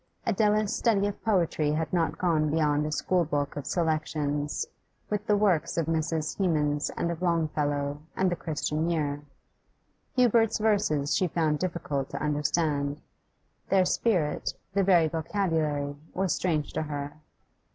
Adela's study of poetry had not gone beyond a school book of selections, with the works of Mrs. Hemans and of Longfellow, and the 'Christian Year.' Hubert's verses she found difficult to understand; their spirit, the very vocabulary, was strange to her.